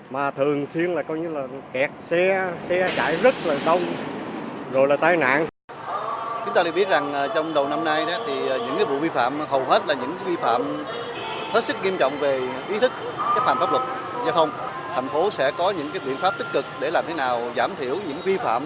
mà thường xuyên là kẹt xe xe chạy rất là đông rồi là tai nạn